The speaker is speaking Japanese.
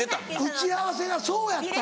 打ち合わせがそうやったんや。